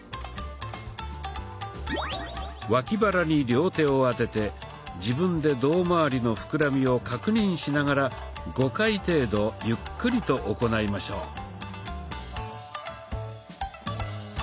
脇腹に両手を当てて自分で胴まわりの膨らみを確認しながら５回程度ゆっくりと行いましょう。